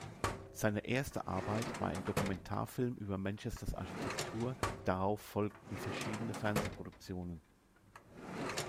Seine erste Arbeit war ein Dokumentarfilm über Manchesters Architektur, darauf folgten verschiedene Fernsehproduktionen.